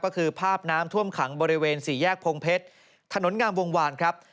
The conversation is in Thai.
ก็คือภาพน้ำท่วมขังบริเวณสี่แยกพงเพชรถนนงามวงวานครับ